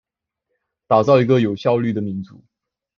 打造一個有效率的民主